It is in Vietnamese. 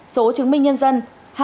số chứng minh nhân dân